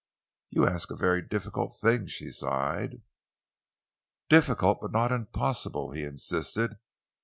"You ask a very difficult thing," she sighed. "Difficult but not impossible," he insisted.